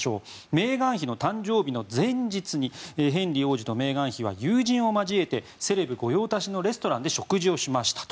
メーガン妃の誕生日の前日にヘンリー王子とメーガン妃は友人を交えてセレブ御用達のレストランで食事をしましたと。